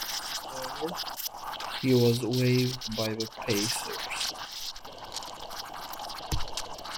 However, he was waived by the Pacers.